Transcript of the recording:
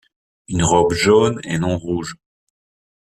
Une robe jaune et non rouge.